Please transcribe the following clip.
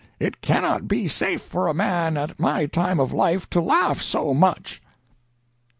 It cannot be safe for a man at my time of life to laugh so much.'"